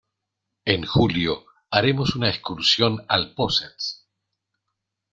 En julio haremos una excursión al Possets.